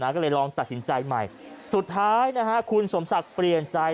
ก็เลยลองตัดสินใจใหม่สุดท้ายคุณสมศักดิ์เปลี่ยนใจ